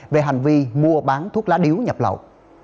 về hành vi mua bán thuốc lá điếu nhập lậu